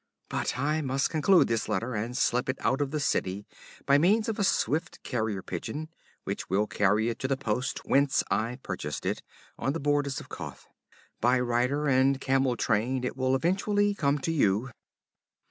'But I must conclude this letter and slip it out of the city by means of a swift carrier pigeon, which will carry it to the post whence I purchased it, on the borders of Koth. By rider and camel train it will eventually come to you.